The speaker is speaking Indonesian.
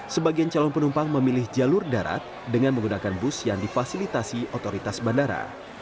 sebagian calon penumpang memilih jalur darat dengan menggunakan bus yang difasilitasi otoritas bandara